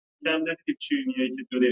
ما د خپل فېس بک سېټنګ مستقل بدل کړۀ